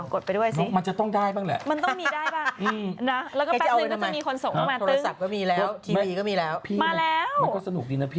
กดไปด้วยสิมันต้องมีได้ป่ะแล้วก็แป๊บนึงจะมีคนส่งมาตึงมันก็สนุกดีนะพี่